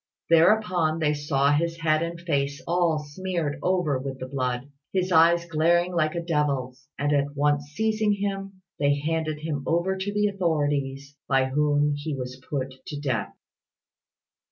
Thereupon they saw his head and face all smeared over with the blood, his eyes glaring like a devil's; and at once seizing him, they handed him over to the authorities, by whom he was put to death.